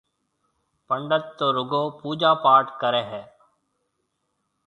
پنڊِيت تو رُگو پوجا پاٽ ڪريَ هيَ۔